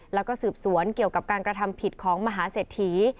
แล้วก็สืบสวนเกี่ยวกับการกระทำผิดของมหาเศรษฐี